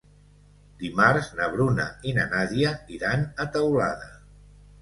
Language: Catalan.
Dimarts na Bruna i na Nàdia iran a Teulada.